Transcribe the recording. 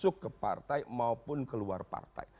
masuk ke partai maupun keluar partai